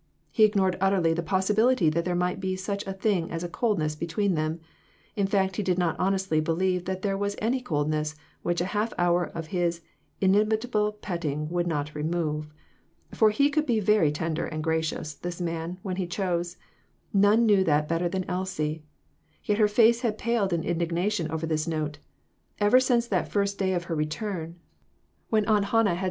He ignored utterly the possibility that there might be such a thing as a coldness between them ; in fact, he did not honestly believe that there was any coldness which a half hour of his inimitable petting would not remove. For he could be very tender and gracious, this man, when he chose ; none knew this better than Elsie. Yet her face had paled in indignation over his note. Ever since that first day of her return, when Aunt Hannah had sud J. S.